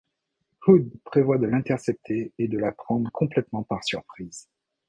Hood prévoit de l'intercepter et de la prendre complètement par surprise.